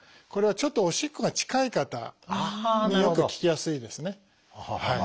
これはちょっとおしっこが近い方によく効きやすいですね。